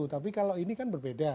tapi kalau ini kan berbeda